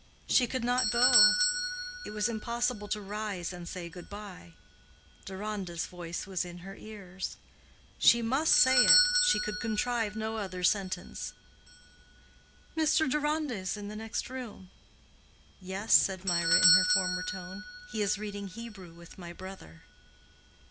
She could not go. It was impossible to rise and say good bye. Deronda's voice was in her ears. She must say it—she could contrive no other sentence, "Mr. Deronda is in the next room." "Yes," said Mirah, in her former tone. "He is reading Hebrew with my brother."